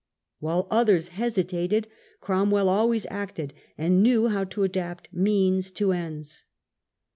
While others hesitated Cromwell always acted, and knew how to adapt means to ends.